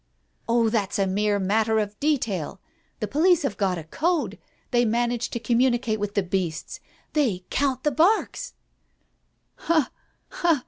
"Oh, that's a mere matter of detail. The police have got a code— they manage to communicate with the beasts. They count the barks " "Ha! ha!